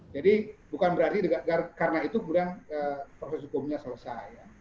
jadi bukan berarti karena itu kemudian proses hukumnya selesai